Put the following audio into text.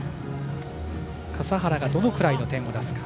笠原がどのくらいの点を出すか。